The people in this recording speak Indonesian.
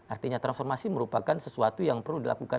artinya transformasi merupakan sesuatu yang perlu kita lakukan